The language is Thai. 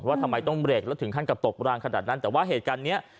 ว่าทำไมต้องเบรกแล้วถึงขั้นกับตกรางขนาดนั้นแต่ว่าเหตุการณ์เนี้ย